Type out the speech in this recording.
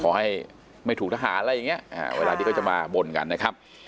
ขอให้ไม่ถูกทหารอะไรอย่างนี้เวลาที่เขาจะมาบ่นกันนะครับ